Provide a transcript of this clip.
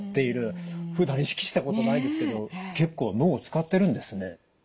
ふだん意識したことないですけど結構脳を使ってるんですね。